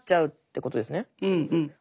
うんうん。